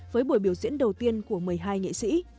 với buổi biểu diễn đầu tiên của một mươi hai nghệ sĩ